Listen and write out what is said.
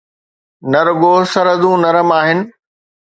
نه رڳو سرحدون نرم آهن.